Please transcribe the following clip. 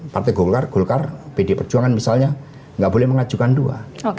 partai golkar golkar pd perjuangan misalnya nggak boleh mengajukan dua